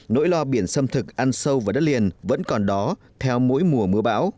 nỗi lo biển xâm thực ăn sâu vào đất liền vẫn còn đó theo mỗi mùa mưa bão